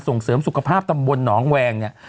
ส่งเสริมสุขภาพตำบลหนองแวงเนี่ย